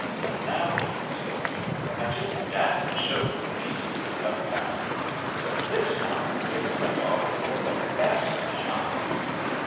"Now," he continued, "I just dassent show these boots uptown; so this time it's a dollar for the best shine."